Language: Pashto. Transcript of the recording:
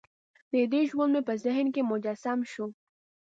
دده ژوند مې په ذهن کې مجسم شو.